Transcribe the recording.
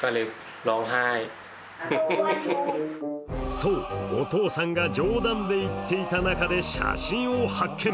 そう、お父さんが冗談で言っていた中で写真を発見。